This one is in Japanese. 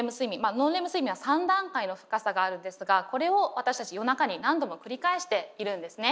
ノンレム睡眠は３段階の深さがあるんですがこれを私たち夜中に何度も繰り返しているんですね。